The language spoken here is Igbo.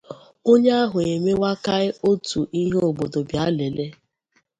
onye ahụ emewakaị otu ihe 'obodo bịa lelee'